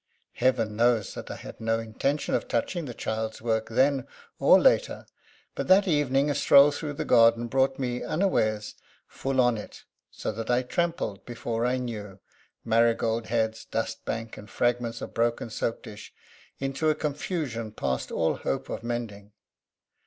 Heaven knows that I had no intention of touching the child's work then or later; but, that evening, a stroll through the garden brought me unawares full on it; so that I trampled, before I knew, marigold heads, dust bank, and fragments of broken soap dish into confusion past all hope of mending.